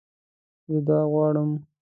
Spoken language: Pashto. زه دا غواړم